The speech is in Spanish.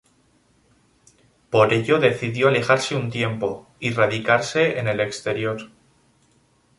Por ello decidió alejarse un tiempo y radicarse en el exterior.